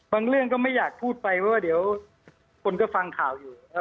เรื่องก็ไม่อยากพูดไปเพราะว่าเดี๋ยวคนก็ฟังข่าวอยู่นะครับ